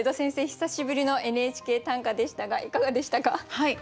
久しぶりの「ＮＨＫ短歌」でしたがいかがでしたか？